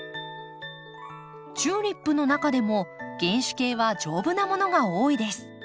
チューリップの中でも原種系は丈夫なものが多いです。